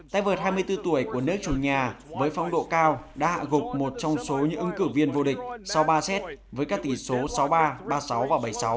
tay vợt hai mươi bốn tuổi của nước chủ nhà với phong độ cao đã hạ gục một trong số những ứng cử viên vô địch sau ba set với các tỷ số sáu ba ba sáu